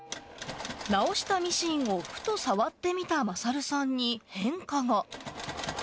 直したミシンをふと触ってみた勝さんに変化が。